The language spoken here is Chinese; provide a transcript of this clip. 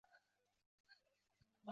一开始以为来了